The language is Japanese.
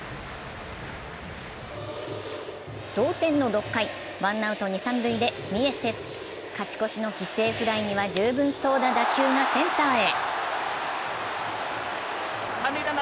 同点の６回、ワンアウト二・三塁でミエセス、勝ち越しの犠牲フライには十分そうな打球がセンターへ。